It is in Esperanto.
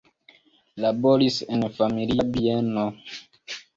Laboris en familia bieno.